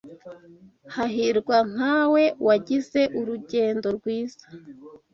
Hahirwa nkawe wagize urugendo rwiza